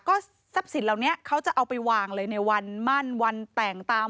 ก็ทรัพย์สินเหล่านี้เขาจะเอาไปวางเลยในวันมั่นวันแต่งตาม